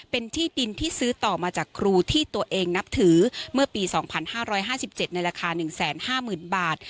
เป็นที่ดินที่ซื้อต่อมาจากครูที่ตัวเองนับถือเมื่อปี๒๕๕๗ในราคา๑๕๐๐๐บาท